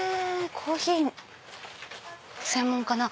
コーヒー専門かな？